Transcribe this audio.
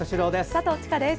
佐藤千佳です。